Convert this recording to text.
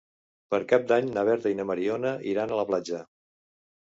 Per Cap d'Any na Berta i na Mariona iran a la platja.